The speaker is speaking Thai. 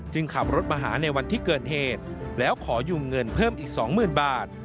ขับรถมาหาในวันที่เกิดเหตุแล้วขอยืมเงินเพิ่มอีก๒๐๐๐บาท